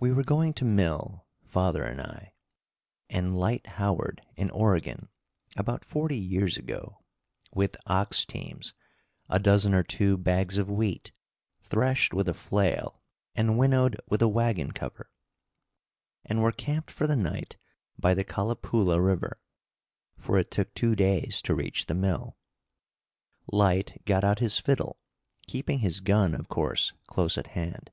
We were going to mill, father and I, and Lyte Howard, in Oregon, about forty years ago, with ox teams, a dozen or two bags of wheat, threshed with a flail and winnowed with a wagon cover, and were camped for the night by the Calipoola River; for it took two days to reach the mill. Lyte got out his fiddle, keeping his gun, of course, close at hand.